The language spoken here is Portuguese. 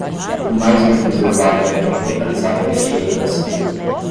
O mais bem preservado é aquele localizado à esquerda da cena.